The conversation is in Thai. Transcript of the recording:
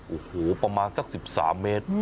โอ้โหประมาณสัก๑๓เมตร